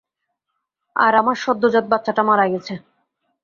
আর আমার সদ্যোজাত বাচ্চা টা মারা গেছে।